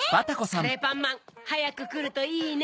カレーパンマンはやくくるといいね。